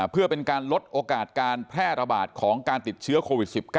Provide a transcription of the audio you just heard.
เพื่อเป็นการลดโอกาสการแพร่ระบาดของการติดเชื้อโควิด๑๙